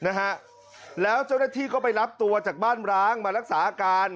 นะฮะแล้วเจ้าหน้าที่ก็ไปรับตัวจากบ้านร้างมารักษาอาการ